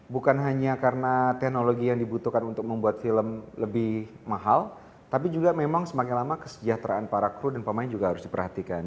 bukan hanya karena teknologi yang dibutuhkan untuk membuat film lebih mahal tapi juga memang semakin lama kesejahteraan para kru dan pemain juga harus diperhatikan